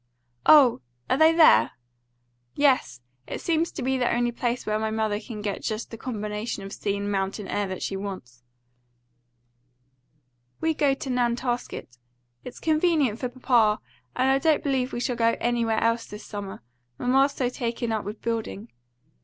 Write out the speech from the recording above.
"Oh! Are they there?" "Yes; it seems to be the only place where my mother can get just the combination of sea and mountain air that she wants." "We go to Nantasket it's convenient for papa; and I don't believe we shall go anywhere else this summer, mamma's so taken up with building.